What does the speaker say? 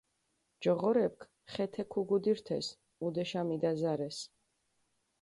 ჯოღორეფქ ხეთე ქუგუდირთეს, ჸუდეშა მიდაზარეს.